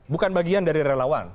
bukan bagian dari relawan